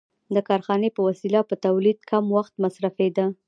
د کارخانې په وسیله په تولید کم وخت مصرفېده